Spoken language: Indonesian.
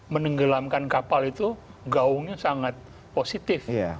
menenggelamkan kapal itu gaungnya sangat positif